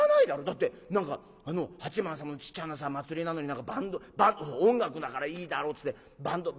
だって何かあの八幡様のちっちゃなさ祭りなのにバンド音楽だからいいだろうつってバンド。